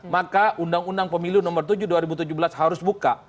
maka undang undang pemilu nomor tujuh dua ribu tujuh belas harus buka